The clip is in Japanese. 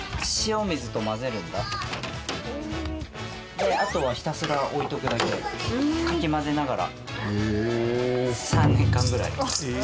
であとはひたすら置いとくだけ。かき混ぜながら。